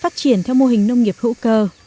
phát triển theo mô hình nông nghiệp hữu cơ